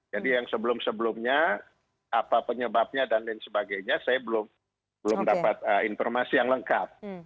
jadi yang sebelum sebelumnya apa penyebabnya dan lain sebagainya saya belum dapat informasi yang lengkap